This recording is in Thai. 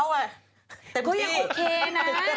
อุ๊ยยังโอเคนะ